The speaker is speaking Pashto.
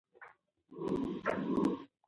واکمن خبردار شو چې خلک بې قرار دي.